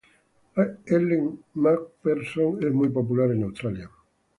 Elle Macpherson es muy popular en Australia.